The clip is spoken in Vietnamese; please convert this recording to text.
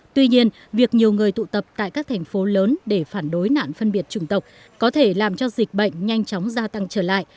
tuy nhiên việc nhiều người tụ tập tại các thành phố lớn để phản đối nạn phân biệt chủng tộc có thể làm cho dịch bệnh nhanh chóng gia tăng trở lại